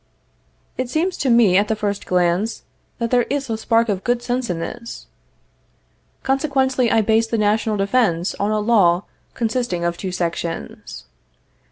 It seems to me, at the first glance, that there is a spark of good sense in this. Consequently, I base the national defense on a law consisting of two sections.